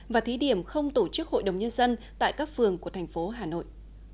và thí điểm không tổ chức hội đồng nhân dân tại các phường của thành phố hà nội